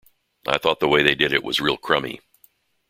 I thought the way they did it was real crummy.